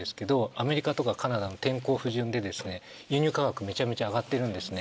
アメリカとかカナダの天候不順で輸入価格めちゃめちゃ上がってるんですね。